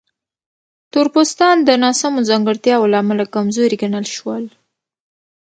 تور پوستان د ناسمو ځانګړتیاوو له امله کمزوري ګڼل شول.